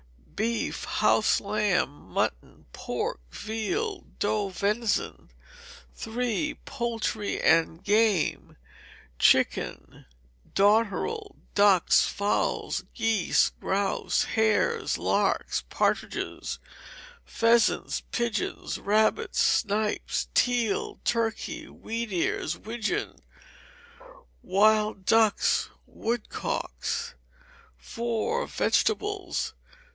Beef, house lamb, mutton, pork, veal, doe venison. iii. Poultry and Game. Chickens, dotterel, ducks, fowls, geese, grouse, hares, larks, partridges, pheasants, pigeons, rabbits, snipes, teal, turkey, wheat ears, widgeon, wild ducks, wood cocks. iv. Vegetables.